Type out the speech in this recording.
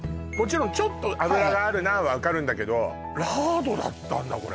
もちろんちょっと脂があるなは分かるんだけどラードだったんだ